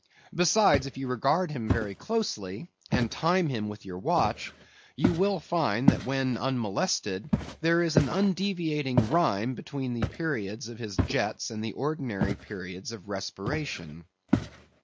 Besides, if you regard him very closely, and time him with your watch, you will find that when unmolested, there is an undeviating rhyme between the periods of his jets and the ordinary periods of respiration.